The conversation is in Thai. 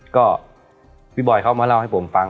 ก็พี่บอยเขามาเล่าให้ผมฟัง